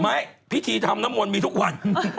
พิธีทำน้ำมนต์มีทุกวัน